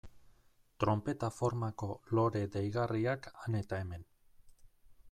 Tronpeta formako lore deigarriak han eta hemen.